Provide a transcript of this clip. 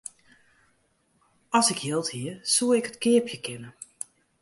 As ik jild hie, soe ik it keapje kinne.